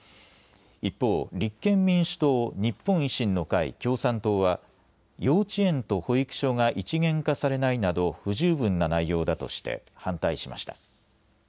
一方、立憲民主党、日本維新の会、共産党は幼稚園と保育所が一元化されないなど不十分な内容だとして反対しました。